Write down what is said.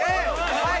はい。